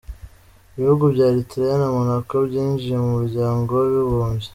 Ibihugu bya Eritrea na Monaco byinjiye mu muryango w’abibumbye.